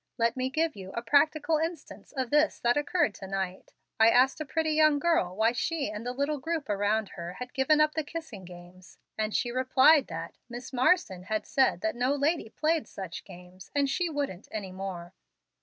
Let me give you a practical instance of this that occurred to night. I asked a pretty young girl why she and the little group around her had given up the kissing games, and she replied that 'Miss Marsden had said that no lady played such games, and she wouldn't any more.'